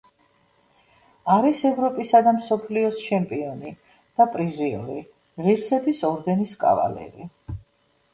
არის ევროპისა და მსოფლიოს ჩემპიონი და პრიზიორი, ღირსების ორდენის კავალერი.